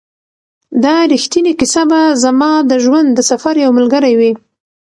دا ریښتینې کیسه به زما د ژوند د سفر یو ملګری وي.